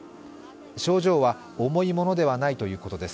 症状は重いものではないということです。